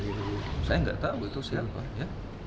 saya nggak tahu itu siapa ya